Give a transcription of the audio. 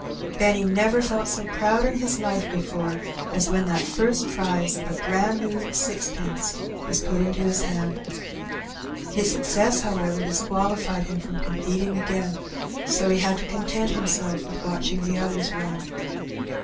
Benny never felt so proud in his life before as when that first prize — a brand new sixpence — ^was put into his hand. His success, however, disqualified him from competing again, so he had to content himself with watching the others run.